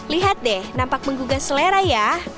lihat deh nampak menggugah selera ya